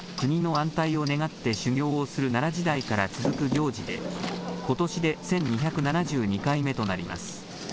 お水取りは、僧侶たちが国の安泰を願って修行をする奈良時代から続く行事で、ことしで１２７２回目となります。